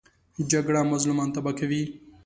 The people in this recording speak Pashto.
جګړه مظلومان تباه کوي